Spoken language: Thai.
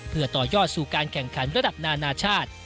เพื่อต่อยอดสู่การแข่งขันระดับนานาชาติ